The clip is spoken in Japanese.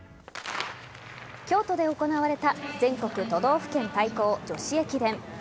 京都で行われた全国都道府県対抗女子駅伝。